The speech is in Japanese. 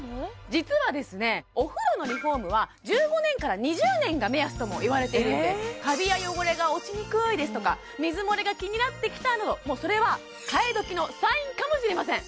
実はですねお風呂のリフォームは１５年から２０年が目安ともいわれているんですカビや汚れが落ちにくいですとか水漏れが気になってきたなどそれは替え時のサインかもしれません